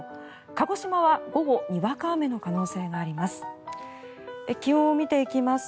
鹿児島は午後にわか雨の可能性があります。